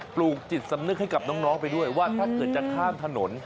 ลูกจิตสำนึกให้กับน้องไปด้วยว่าถ้าเกิดจะข้ามถนน